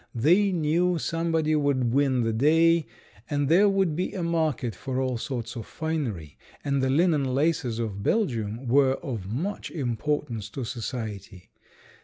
They knew somebody would win the day, and there would be a market for all sorts of finery, and the linen laces of Belgium were of much importance to society.